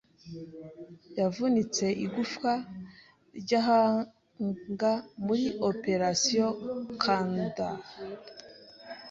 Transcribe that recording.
Yavunitse igufwa ry’agahanga muri Operation Condor